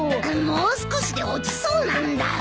もう少しで落ちそうなんだ。